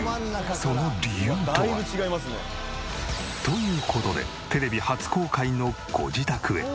その理由とは？という事でテレビ初公開のご自宅へ。